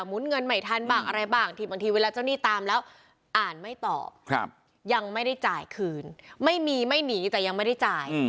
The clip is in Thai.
เงินไม่ทันบ้างอะไรบ้างที่บางทีเวลาเจ้าหนี้ตามแล้วอ่านไม่ตอบยังไม่ได้จ่ายคืนไม่มีไม่หนีแต่ยังไม่ได้จ่าย